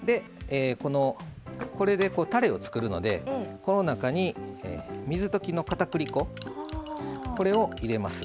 これで、たれを作るのでこの中に水溶きのかたくり粉を入れます。